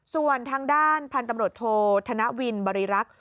ส่วนทางด้านพันธุ์ตำรวจโทษธนวินบริรักษ์